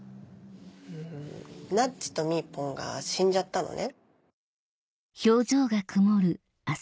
なっちとみーぽんが死んじゃったのね。